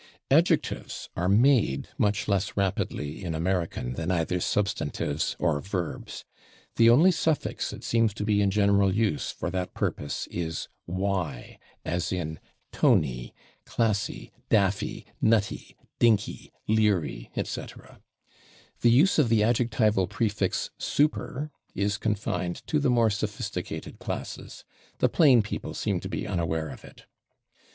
Adjectives are made much less rapidly in American than either substantives or verbs. The only suffix that seems to be in general use for that purpose is / y/, as in /tony/, /classy/, /daffy/, /nutty/, /dinky/, /leery/, etc. The use of the adjectival prefix /super / is confined to the more sophisticated classes; the plain people seem to be unaware of it.